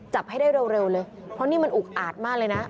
จับให้ได้เร็วเลยเพราะนี่มันอุกอาจมากเลยนะ